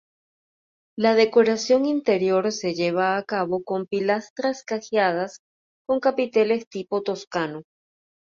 La decoración interior se lleva a cabo con pilastras cajeadas con capiteles tipo toscano.